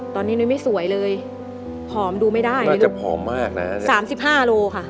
ตอนนี้นุ้ยไม่สวยเลยผอมดูไม่ได้น่าจะผอมมากน่ะ๓๕โลค่ะ